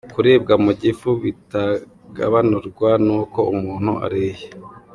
Kuribwa mu gifu bitagabanurwa n’uko umuntu ariye.